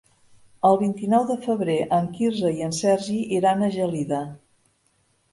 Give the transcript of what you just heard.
El vint-i-nou de febrer en Quirze i en Sergi iran a Gelida.